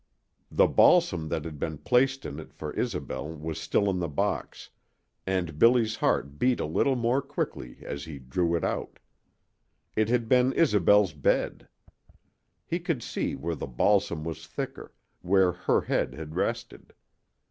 The balsam that had been placed in it for Isobel was still in the box, and Billy's heart beat a little more quickly as he drew it out. It had been Isobel's bed. He could see where the balsam was thicker, where her head had rested.